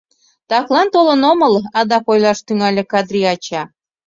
— Таклан толын омыл, — адак ойлаш тӱҥале Кадри-ача.